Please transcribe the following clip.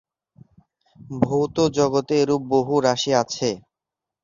ভৌত জগতে এরূপ বহু রাশি আছে।